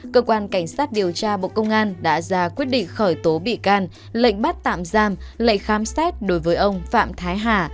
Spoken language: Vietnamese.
cơ quan cảnh sát điều tra bộ công an đã ra quyết định khởi tố bị can lệnh bắt tạm giam lệnh khám xét đối với ông phạm thái hà